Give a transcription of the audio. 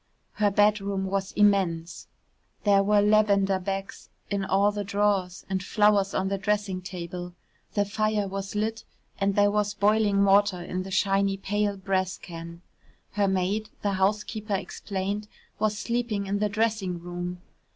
Her bedroom was immense there were lavender bags in all the drawers, and flowers on the dressing table, the fire was lit and there was boiling water in the shiny pale brass can. Her maid, the housekeeper explained, was sleeping in the dressing room.